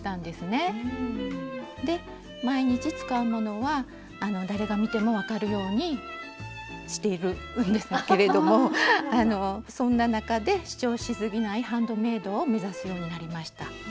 で毎日使うものは誰が見ても分かるようにしているんですけれどもそんな中で主張しすぎないハンドメイドを目指すようになりました。